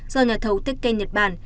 do nhà thầu techken nhật bản